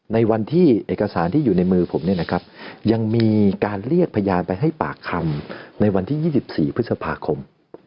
ในวันที่เอกสารที่อยู่ในมือผมยังมีการเรียกพยานไปให้ปากคำในวันที่๒๔พฤษภาคม